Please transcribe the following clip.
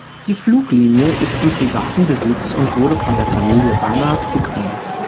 Die Fluglinie ist im privaten Besitz und wurde von der Familie Barnard gegründet.